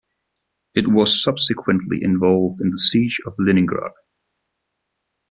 It was subsequently involved in the siege of Leningrad.